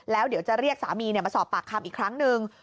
แล้วเดี๋ยวจะเรียกสามีมาสอบปากคำอีกครั้งหนึ่ง